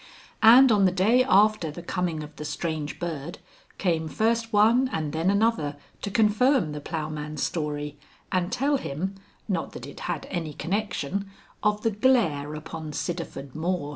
And on the day after the coming of the Strange Bird, came first one and then another to confirm the ploughman's story and tell him, not that it had any connection, of the Glare upon Sidderford moor.